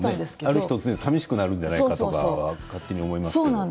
ある日突然さみしくなるんじゃないかと思いますけどね。